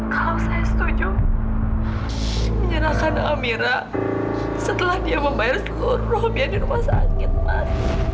kalau saya setuju menyerahkan amira setelah dia membayar seluruh rupiah di rumah sakit mas